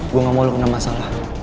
gue gak mau lu kena masalah